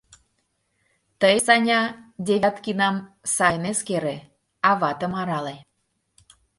— Тый, Саня, Девяткинам сайын эскере, аватым арале.